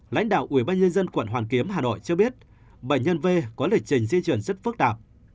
lãnh đạo ubnd quận hoàn kiếm hà nội cho biết bệnh nhân v có lịch trình di chuyển rất phức tạp